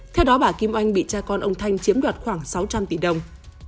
theo đó bà kim oanh bị cha con ông thanh chiếm đoạt khoảng sáu trăm linh tỷ đồng